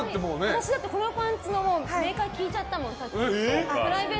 私だってこのパンツのメーカー聞いちゃったもん。